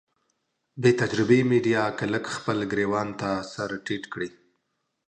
بې تجربې ميډيا که لږ خپل ګرېوان ته سر ټيټ کړي.